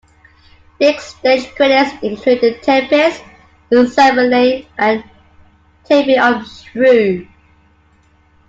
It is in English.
Biggs' stage credits include "The Tempest", "Cymbeline" and "The Taming of the Shrew".